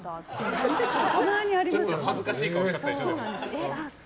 恥ずかしい顔しちゃったでしょ。